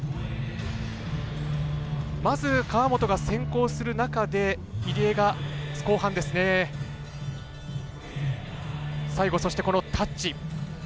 まず川本が先行する中で入江が後半最後、このタッチ。